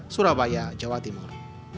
surabaya jawa timur